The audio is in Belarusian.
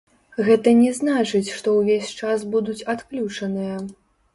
Гэта не значыць, што ўвесь час будуць адключаныя.